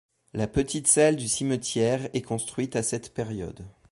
La petite salle du cimetière est construite à cette période.